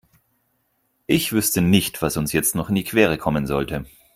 Ich wüsste nicht, was uns jetzt noch in die Quere kommen sollte.